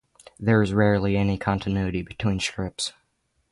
There is rarely any continuity between strips.